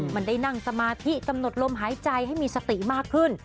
มันได้นั่งสมาธิกำหนดลมหายใจให้มีสติมากขึ้น